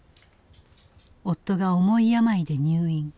夫が重い病で入院。